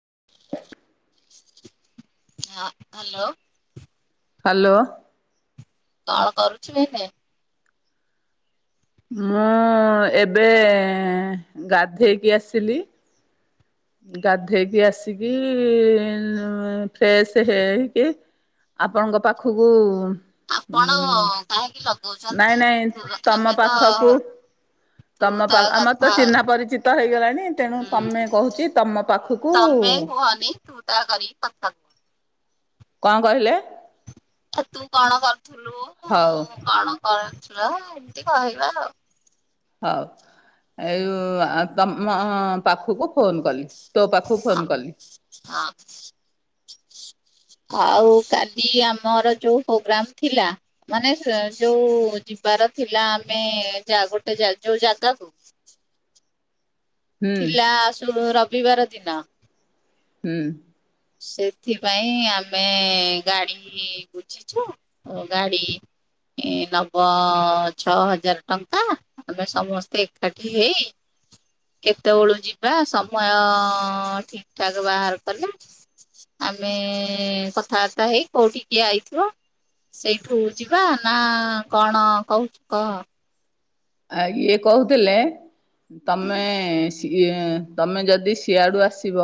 [inaudible] ହଁ, hello hello କଣ କରୁଛୁ ଏନେ? ମୁଁ ଏବେ ଗାଧେଇକି ଆସିଲି। ଗାଧେଇକି ଆସିକି, ଫ୍ରେଶ ହେଇକି ଆପଣଙ୍କ ପାଖକୁ ଆପଣ ଉଁ କାହିଁକି ଲ ନାଇଁ ନାଇଁ ତମ ପାଖକୁ ତୁ ତମ ତା ପା ଆମର ତ କଥା ଚିହ୍ନା ପରିଚିତ ହେଇଗଲାଣି, ତେଣୁ ତମେ କହୁଛି ତମ ପାଖକୁ ମ ହୁହନି ଛୁଟା କରିି ପୁ [unintelligible] [inaudible] କଣ କହିଲେ? ସେ ତୁ କଣ କରୁଥିଲୁ, ହଉ କଣ କର? ର ଏମତି କହିଲ ଆଉ ହଉ, ଆଉ ତମ ପାଖକୁ ଫୋନ କଲି, ତୋ ପାଖକୁ ହଁ ଫୋନ କଲି ହଁ ଆଉ କାଲି ଆମର ଯୋଉ ପ୍ରୋଗ୍ରାମ ଥିଲା, ମାନେ ସେ ଯୋଉ ଯିବାର ଥିଲା ଆମେ ଯା ଗୋଟେ ଜା ଯୋଉ ଜାଗାକୁ ହୁଁ ଥିଲା ଆସୁୁ ରବିବାର ଦିନ ହୁଁ। ସେଥିପାଇଁ ଆମେ ଗାଡି ବୁଝିଛୁ। ଗାଡି ଏ ନବ ଛଅ ହଜାର ଟଙ୍କା। ଆମେ ସମସ୍ତେ ଏକାଠି ହେଇ କେତେବେଳୁ ଯିବା, ସମୟ ଠିକ ଠାକ ବାହାର କଲେ ଆମେ କଥାବାର୍ତ୍ତା ହେଇ କୋଉଠି କିଏ ଆଇଥିବ ସେଇଠୁ ଯିବା ନା କଣ କହୁଛୁ? ଆ ଇଏ କହୁଥିଲେ, ତମେ ଏ ତମେ ଯଦି ସିଆଡୁ ଆସିବ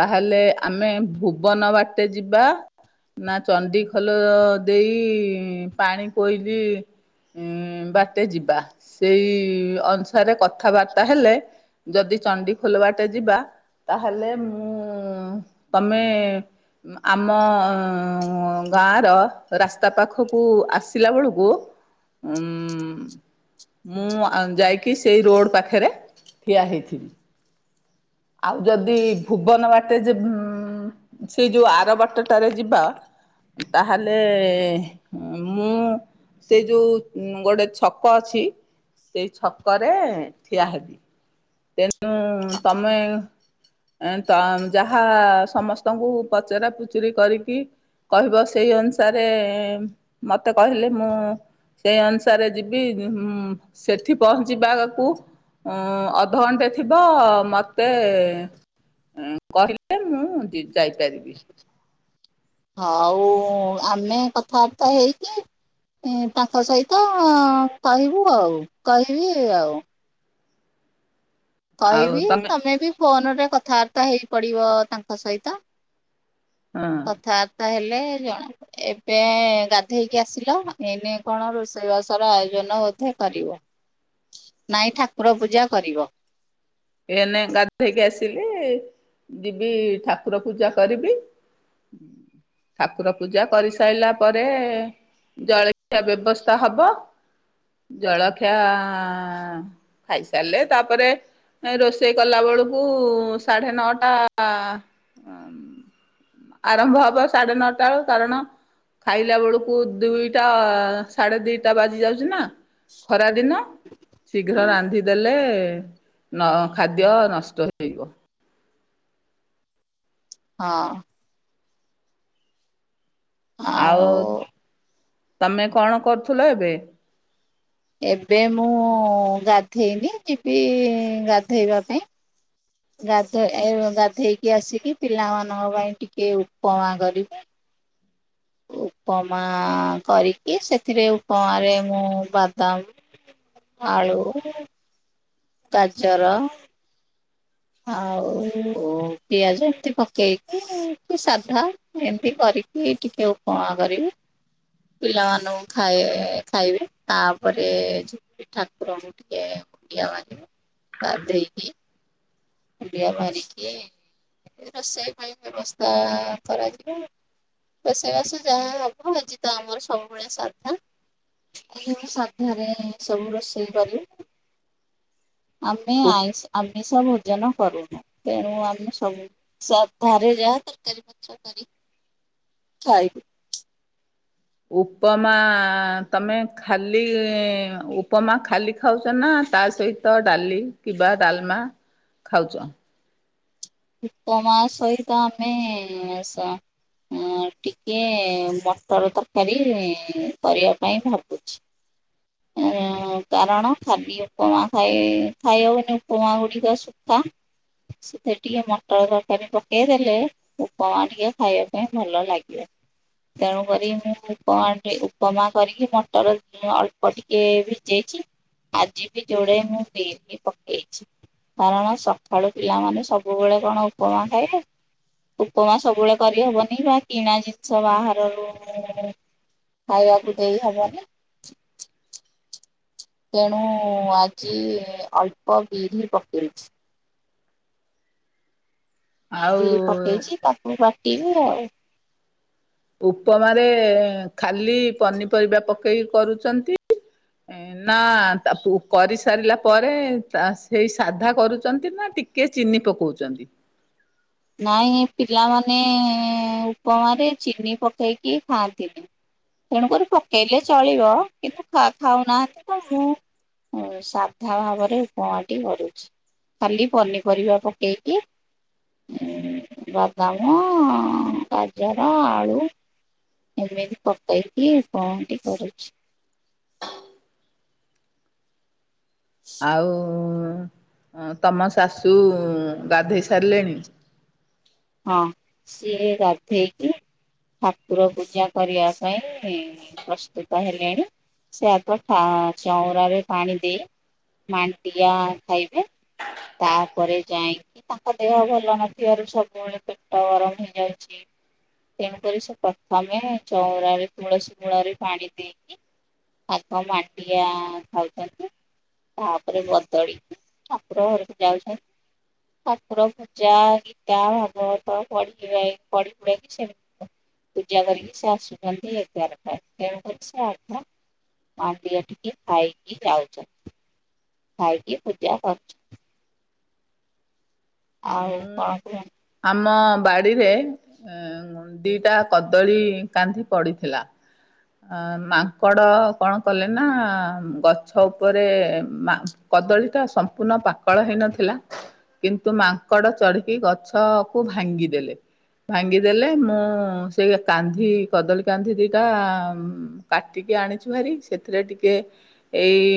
ତାହେଲେ ଆମେ ଭୁବନ ବାଟେ ଯିବା ନା ଚଣ୍ଡିଖୋଲ ଦେଇ ପାଣିକୋଇଲି ଉଁ ବାଟେ ଯିବା। ସେଇ ଅନୁସାରେ କଥାବାର୍ତ୍ତା ହେଲେ ଯଦି ଚଣ୍ଡିଖୋଲ ବାଟେ ଯିବା, ତାହେଲେ ମୁଁ ତମେ ଆମ ଗାଁର ରାସ୍ତା ପାଖକୁ ଆସିଲା ବେଳକୁ ଉମ୍ ମୁଁ ଯାଇକି ସେଇ ରୋଡ ପାଖରେ ଠିଆ ହେଇଥିବି। ଆଉ ଯଦି ଭୁବନ ବାଟେ ଯେ ଉମ୍ ସେଇ ଯୋଉ ଆର ବାଟଟାରେ ଯିବା ତାହେଲେ ମୁଁ ସେ ଯୋଉ ଗୋଟେ ଛକ ଅଛି ସେଇ ଛକରେ ଠିଆ ହେବି। ତେଣୁ ତମେ ଏ ତ, ଯାହା ସମସ୍ତଙ୍କୁ ପଚରା ପୁଚୁରି କରିକି କହିବ ସେଇ ଅନୁସାରେ ମତେ କହିଲେ, ମୁଁ ସେଇ ଅନୁସାରେ ଯିବି, ଉମ୍ ସେଠି ପହଞ୍ଚିବା ଆଗକୁ ଉଁ ଅଧଘଣ୍ଟେ ଥିବ ମତେ କହିଲେ, ମୁଁ ଯି ଯାଇପାରିବି। ହଉ ଆମେ କଥାବାର୍ତ୍ତା ହେଇକି ତାଙ୍କ ସହିତ କହିବୁ ଆଉ, କହିବି ଆଉ। କହିବି, ତମେ ବି ଫୋନ ରେ କଥାବାର୍ତ୍ତା ହେଇ ପଡିବ ତାଙ୍କ ସହିତ। ହଁ କଥାତ୍ ତାହେଲେ, ଜଣ ଏବେ ଗାଧେଇକି ଆସିଲ ଏଇନେ କଣ ରୋଷେଇବାସର ଆୟୋଜନ ନ ବୋଧେ କରିବ। ନାଇଁ ଠାକୁର ପୂଜା କରିବ। ଥିଲେ ଯିବି ଠାକୁର ପୂଜା କରିବି ଠାକୁର ପୂଜା କରିସାଇଲା ପରେ ଜଳଖିଆ ବ୍ୟବସ୍ଥା ହବ ଜଳଖିଆ ଖାଇସାରିଲେ ତାପରେ ରୋଷେଇ କଲା ବେଳକୁ ସାଢ଼େ ନଅଟା ଆରମ୍ଭ ହବ ସାଢେ ନଅଟା ବେଳକୁ, କାରଣ ଖାଇଲା ବେଳକୁ ଦୁଇଟା ସାଢେ ଦିଟା ବାଜି ଯାଉଛି ନା। ଖରାଦିନ ଶୀଘ୍ର ରାନ୍ଧିଦେଲେ, ନ ଖାଦ୍ୟ ନଷ୍ଟ ହେଇବ। ହଁ। ଆଉ ତମେ କଣ କରୁଥିଲ ଏବେ? ଏବେ ମୁଁ ଗାଧେଇନି ଯିବି ଗାଧେଇବା ପାଇଁ ଗାଧେ ଇ ଗାଧେଇକି ଆସିକି ପିଲାମାନଙ୍କ ପାଇଁ ଟିକେ ଉପମା କରିବି ଉପମା କରିକି, ସେଥିରେ ଉପମାରେ ମୁଁ ବାଦାମ ଆଳୁ, ଗାଜର ଆଉ ପିଆଜ ଏମତି ପକେଇକି ସାଧା ଏମତି କରି ଟିକି ଟିକେ ଉପମା କରିବି ପିଲାମାନଙ୍କୁ ଖାଇ ଖାଇବେ। ତାପରେ ଯିବି ଠାକୁରଙ୍କୁ ଟିକେ ମୁଣ୍ଡିଆ ମାରିବି ଗାଧେଇକି ମୁଣ୍ଡିଆ ମାରିକି ଏଇ ରୋଷେଇ ପାଇଁ ବ୍ୟବସ୍ଥା କରାଯିବ। ରୋଷେଇବାସ ଯାହା ହବ। ଆଜି ତ ଆମର ସବୁବେଳେ ସାଧା। [unintelligible] ସାଧାରେ ସବୁ ରୋଷେଇ କରେ। ଆମେ ଆଇଁଷ ଆମ୍ ଷ ଭୋଜନ କରୁନା। ତେଣୁ ଆମେ ସବୁ ସାଧାରେ ଯାହା ତରକାରୀ ପତ୍ର କରି [inaudible] ଖାଇବୁ ଉପମା ତମେ ଖାଲି, ଉପମା ଖାଲି ଖାଉଚ ନା ତା ସହିତ ଡାଲି କିମ୍ବା ଡାଲମା ଖାଉଚ? ଉପମା ସହିତ ଆମେ ସ ମୁଁ ଟିକେ ମଟର ତରକାରୀ କରିବା ପାଇଁ ଭାବୁଛି। ଉଁ କାରଣ ଖାଲି ଉପମା ଖାଇ ଖାଇହବନି ଉପମା ଗୁଡିକ ସୁଖା ଖା [unintelligible] ଟିକେ ମଟର ତରକାରୀ ପକେଇ ଦେଲେ, ଉପମା ଟିକେ ଖାଇବା ପାଇଁ ଭଲ ଲାଗିବ। ତେଣୁ କରି, ମୁଁ ଉପମା ଟି ଉପମା କରିକି ମଟର ଉଁ ଅଳ୍ପ ଟିକେ ଭିଜେଇଛି। ଆଜି ବି ଯୋଡେ ମୁଁ ବିମି ପକେଇଛି କାରଣ ସକାଳୁ ପିଲାମାନେ ସବୁ ବୁବେଳେ କଣ ଉପମା ଖାଇବେ ଉପମା ସବୁବେଳେ କରିହବନି ବା କିଣା ଜିନଷ ବାହାରରୁ ଖାଇବାକୁ ଦେଇହବନି। ତେଣୁ ଆଜି ଅଳ୍ପ ବିରିହି ପକେଇଛି। ଆଉ ବିରିହି ପକେଇଛି ତାକୁ ବାଟିବି ଆଉ। ଉପମାରେ ଖାଲି ପନିପରିବା ପକେଇକି କରୁଚନ୍ତି। ଏନ୍ ନା ତା ପୁ କରିସାରିଲା ପରେ ତା ସେଇ ସାଧା କରୁଚନ୍ତି ନା ଟିକେ ଚିନି ପକୋଉଚନ୍ତି। ନାଇଁ ପିଲାମାନେ ଉପମାରେ ଚିନି ପକେଇକି ଖାଆନ୍ତିନି। ତେଣୁକରି ପକେଇଲେ ଚଳିବ କିନ୍ତୁ ଖା ଖାଉନାହାନ୍ତି ତ ମୁଁ ଉଁ ସାଧା ଭାବରେ ଉପମାଟି କରୁଛି। ଖାଲି ପନିପରିବା ପକେଇକି ବାଦାମ ଗାଜର ଆଳୁ ଏମି ବି ପକେଇକି ଉପମାଟି କରୁଛି। ଆଉ ତମ ଶାଶୁ ଗାଧେଇ ସାରିଲେଣି? ହଁ ସିଏ ଗଧେଇକି ଠାକୁର ପୂଜା କରିବା ପାଇଁ ପ୍ରସ୍ତୁତ ହେଲେଣି। ସେ ଆଗ ଚଉଁରା ରେ ପାଣି ଦେଇ ମାଣ୍ଟିଆ ଖାଇବେ ତାପରେ ଯାଇଙ୍କି ତାଙ୍କ ଦେହ ଭଲ ନଥିବାରୁ ସବୁବେଳେ ପେଟ ଗରମ ହେଇଯାଉଛି ତେଣୁକରି ସେ ପ୍ରଥମେ ଚଉଁରାରେ ତୁଳସୀ ମୂଳରେ ପାଣି ଦେଇକି ଆଗ ମାଣ୍ଡିଆ ଖାଉଛନ୍ତି। ତାପରେ ବଦଳି ଠାକୁର ଘରକୁ ଯାଉଛ ଠାକୁର ପୂଜା ଗୀତା ଭାଗବତ ପଢ଼ି କିଆ ଇ ପାଢିପୁଢ଼ା ସେ ପୂଜା କରିକି ସେ ଆସୁଛନ୍ତି ଏଗାରଟାରେ ତେଣୁ କରି ସେ ଆଗୁଆ ମାଣ୍ଡିଆ ଟିକେ ଖାଇକି ଯାଉଚନ୍ତି। ଖାଇକି ପୂଜା କରୁଛ ଆଉ ମୁଁ କଣ କୁହ? ଆମ ବାଡିରେ ଦିଟା କଦଳୀ କାନ୍ଧି ପଡିଥିଲା। ଅ ମାଙ୍କଡ କଣ କଲେ ନା ଗଛ ଉପରେ ଏ ମା କଦଳୀ ଟା ସମ୍ପୂର୍ଣ୍ଣ ପାକଳ ହେଇନଥିଲା କିନ୍ତୁ ମାଙ୍କଡ଼ ଚଢ଼ିକି ଗଛ ତ କୁ ଭାଙ୍ଗିଦେଲେ। ଭାଙ୍ଗିଦେଲେ ମୁଁ ସେଇ କାନ୍ଧି କଦଳୀ କାନ୍ଧି ଦିଟା କାଟିି କି ଆଣିଛୁ ଭାରି ସେଥିରେ ଟିକେ ଏଇ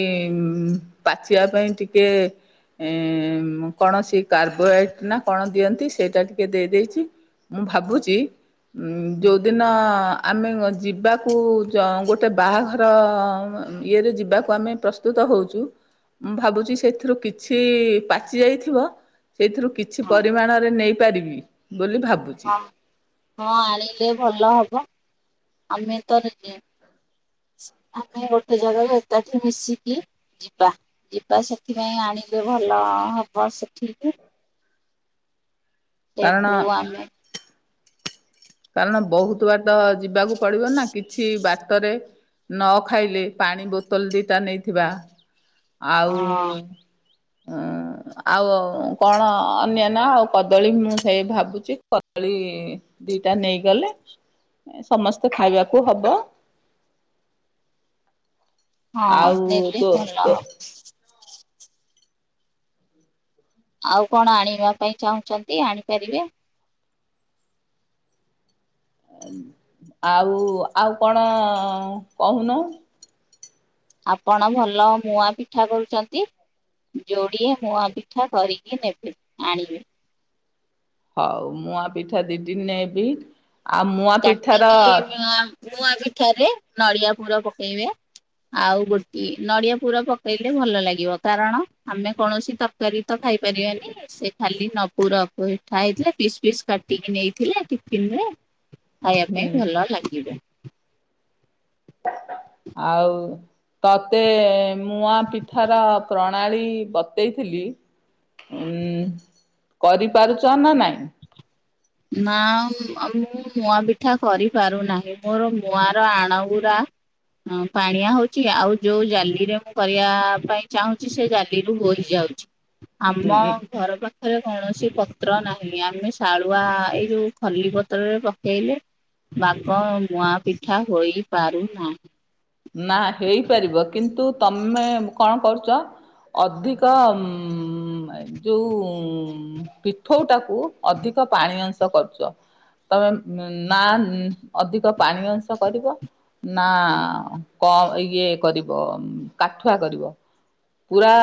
ପାଚିବା ପାଇଁ ଟିକେ ଏ କୌଣସି କାର୍ବୋହାଇଟ ନା କଣ ଦିଅନ୍ତି। ସେଇଟା ଟିକେ ଦେଇ ଦେଇଚି ମୁଁ ଭାବୁଚି ଉ ଯୋଉଦିନ ଆମେ ଯିବାକୁ ଜ ଗୋଟେ ବାଆଘର ଇଏରେ ଯିବାକୁ ଆମେ ପ୍ରସ୍ତୁତ ହଉଚୁ। ମୁଁ ଭାବୁଚି ସେଥିରୁ କିଛି ପାଚି ଯାଇଥିବ। ସେଇଥିରୁ କିଛି ହଁ ପରିମାଣରେ ନେଇପାରିବି। ବୋଲି ଭାବୁଛି ହଁ ହଁ ଆଣିଲେ ଭଲ ହବ ଆମେ ତ ଆମେ ଗୋଟେ ଜାଗାରୁ ଏକାଠି ମିଶିକି ଯିବା ଯିବା ସେଥିପାଇଁ ଆ ଣିଲେ ଭଲ ହବ ସେଠିକି। କାରଣ ସେଠୁ ଆମେ କାରଣ ବହୁତ ବାଟ ଯିବାକୁ ପଡିବ ନା କିଛି ବାଟରେ ନ ଖାଇଲେ ପାଣି ବୋତଲ ଦିଟା ନେଇଥିବା ଆଉ ହଁ ଉଁ ଆଉ କଣ ଅନ୍ୟାନ ଆଉ କଦଳୀ ମୁଁ ସେଇ ଭାବୁଚି କଦଳୀ ଦି ନେଇଗଲେ ସମସ୍ତେ ଖାଇବାକୁ ହବ। ହଁ ଆଉ ନେଲେ ଭଲ ତୋ-ତୋ ହବ ଆଉ କଣ ଆଣିବା ପାଇଁ ଚାହୁଁଚନ୍ତି ଆଣିପାରିବେ। ଆଉ ଆଉ କଣ କହୁନ? ଆପଣ ଭଲ ମୁଁଆଁ ପିଠା କରୁଚନ୍ତି? ଯୋଡିଏ ମୁଁଆଁ ପିଠା କରିକି ନେବେ ଆଣିବେ। ହଉ ମୁଁଆଁ ପିଠା ଦିଦି ନେବି ଆଉ ମୁଆଁ ପିଠା ର ନୂଆ ପିଠାରେ ନଡିଆ ପୁର ପକେଇବେ। ଆଉ ଗୋଟେ ନଡିଆ ପୁରୁର ପକେଇଲେ ଭଲ ଲାଗିବ କାରଣ ଆମେ କୌଣସି ତରକାରୀ ତର ଖାଇ ପାରିବାନି ସେ ଖାଲି ନ ପୁର ମିଠା ହେଇଥିଲା ପିସ୍ ପିସ୍ କାଟିକି ନେଇଥିଲେ ଟିଫିନରେ। ଖାଇବା ହୁଁ ପାଇଁ ଭଲ ଲାଗିବ। ଆଉ ତତେ ମୁଁଆଁ ପିଠାର ପ୍ରଣା ଣାଳୀ ବତେଇଥିଲି। ହୁଁ କରିପାରୁଚ ନା ନାଇଁ? ନା ମୁଁ ମୁଆଁ ପିଠା କରିପାରୁନାହିଁ ମୋର ମୁଁଆଁର ଆଣଗୁୁରା ହ ପାଣିଆ ହଉଚି ଆଉ ଯୋଉ ଜାଲିରେ ମୁଁ କରିବା ପାଇଁ ଚାହୁଁଚି ସେ ଜାଲିରୁୁ ବୋହିଯା ଉଚି ଉଁ ଆମ ଉଁ ଘର ପାଖରେ କୌଣସି ପତ୍ର ନାହି ଆମେ ସା ଳୁଆ ଏଇ ଯୋଉ ଖଲି ପତ୍ରରେ ପକେଇଲେ। ବାଗ ମୁଁଆଁ ପିଠା ହୋଇ ପାରୁନାହିଁ। ନା ହେଇପାରିବ କିନ୍ତୁ ତମେ କଣ କରୁଚ? ଅଧିକ ଉମ୍ ଯୋଉ ପିଠଉଟାକୁ ଅଧିକ ପାଣି ଅଂଶ କରୁଚ। ତମେ ନା ଅଧିକ ପାଣି ଅଂଶ କରିବ ନା କ ଇଏ କରିବ କାଠୁଆ କରିବ। ପୁରା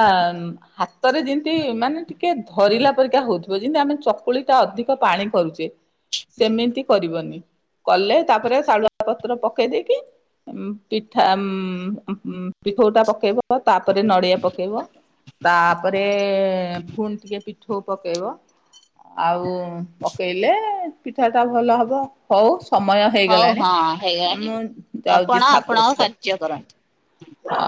ହାତରେ ଯେମିତି ମାନେ ଟିକେ ଧରିଲା ପରିକା ହଉଥୁବ ଯେମିତି ଆମେ ଚକୁ ଳି ଟା ଅଧିକ ପାଣି କରୁଚେ। ସେମିତି କରିବନି କଲେ ତାପରେ ଶାଳୁଆ ପତ୍ର ପକେଇ ଦେଇକି ପିଠା ଉମ୍ ପିଠଉଟା ପକେଇବ ତାପରେ ନଡିଆ ପକେଇବ। ତାପରେ ଫୁଣି ଟିକଏ ପିଠୋଉ ପକାଇବ ଆଉ। ହ ପକେଇଲେ ପିଠା ଟା ଭଲ ହବ ହଉ। ସମୟ ହଉ ହେଇଗଲାଣି ହଁ ହେଇଗଲାଣି ମୁଁ ଯାଉଛି ଆପଣ ଠାକୁର ଆପଣଙ୍କ ପୂଜା କାର୍ଯ୍ୟ କରନ୍ତି। ହଁ।